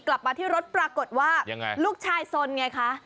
กลับมาที่รถปรากฏว่ายังไงลูกชายสนไงคะ